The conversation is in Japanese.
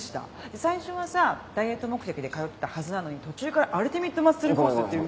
最初はさダイエット目的で通ってたはずなのに途中からアルティメット・マッスルコースっていう。